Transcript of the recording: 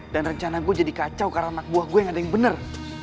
dan rencana gue jadi kacau karena anak buah gue gak ada yang bener